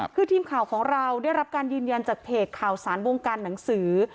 คือทีมข่าวของเราได้รับการยืนยันจากเพจข่าวสารวงการหนังสือ